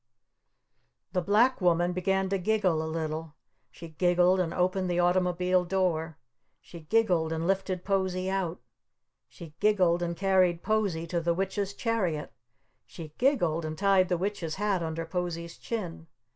The Black Woman began to giggle a little. She giggled and opened the automobile door. She giggled and lifted Posie out. She giggled and carried Posie to the Witch's chariot. She giggled and tied the Witch's hat under Posie's chin.